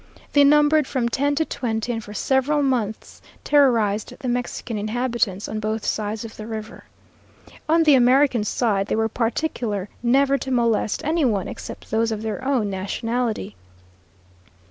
They numbered from ten to twenty, and for several months terrorized the Mexican inhabitants on both sides of the river. On the American side they were particular never to molest any one except those of their own nationality.